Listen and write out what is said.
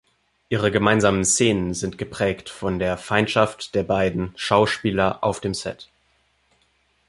Ihre gemeinsamen Szenen sind geprägt von der Feindschaft der beiden Schauspieler auf dem Set.